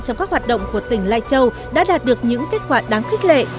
trong các hoạt động của tỉnh lai châu đã đạt được những kết quả đáng khích lệ